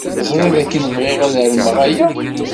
Teẓrid dakken bɣiɣ ad armeɣ aya.